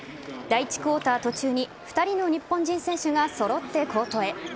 第１クオーター途中に２人の日本人選手が揃ってコートへ。